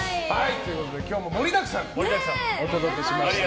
今日も盛りだくさんでお届けしました。